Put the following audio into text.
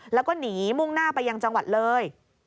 แล้วก็หนีมุ่งหน้าไปยังจังหวัดเลย